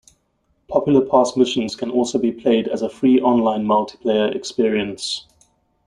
Popular past missions can also be played as a free online multiplayer experience.